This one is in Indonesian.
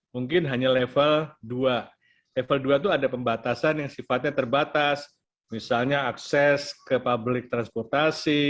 mungkin hanya level dua level dua itu ada pembatasan yang sifatnya terbatas misalnya akses ke publik transportasi